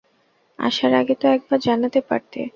আসার আগে তো একবার জানাতে পারতে।